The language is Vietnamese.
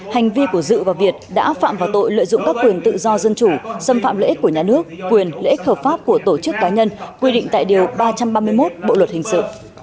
hành vi của dự và việt đã phạm vào tội lợi dụng các quyền tự do dân chủ xâm phạm lợi ích của nhà nước quyền lợi ích hợp pháp của tổ chức cá nhân quy định tại điều ba trăm ba mươi một bộ luật hình sự